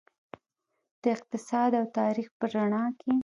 د اقتصاد او تاریخ په رڼا کې.